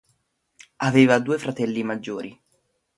Aveva due fratelli maggiori.